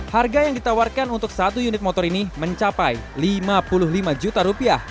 harga yang ditawarkan untuk satu unit motor ini mencapai rp lima puluh lima juta